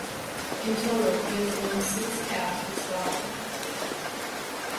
In total he has won six caps for Scotland.